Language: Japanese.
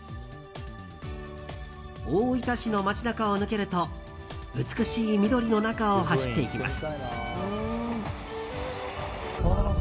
大分市の街中を抜けると美しい緑の中を走っていきます。